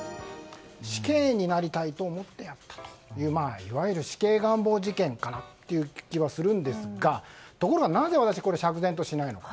死刑になりたいと思ってやったといういわゆる死刑願望事件かなという気はするんですがところがなぜ私は釈然としないのか。